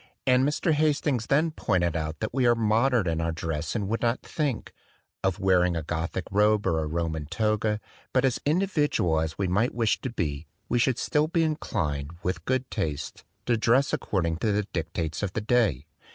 And Mr. Hastings then pointed out that THE DWELLING OF A DAY DREAM we are modern in our dress and would not think "of wearing a Gothic robe or a Roman toga; but as individual as we might wish to be, we should still be inclined, with good taste, to dress according to the dictates of the day."